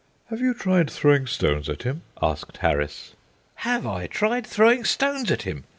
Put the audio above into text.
"Have you tried throwing stones at him?" asked Harris. "Have I tried throwing stones at him!"